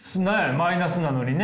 マイナスなのにね。